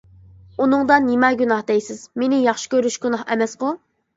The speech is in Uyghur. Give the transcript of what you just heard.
ئۇنىڭدا نېمە گۇناھ دەيسىز؟ مېنى ياخشى كۆرۈش گۇناھ ئەمەسقۇ؟ !